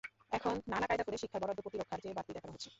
এখন নানা কায়দা করে শিক্ষার বরাদ্দ প্রতিরক্ষার চেয়ে বাড়তি দেখানো হচ্ছে।